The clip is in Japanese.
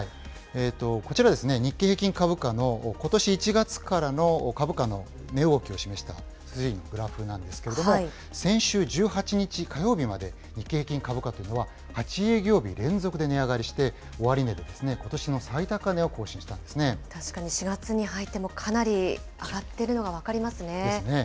こちら、日経平均株価のことし１月からの株価の値動きを示したグラフなんですけれども、先週１８日火曜日まで、日経平均株価というのは８営業日連続で値上がりして、終値がことしの最高値を確かに４月に入ってもかなりですね。